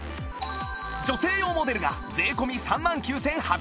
女性用モデルが税込３万９８００円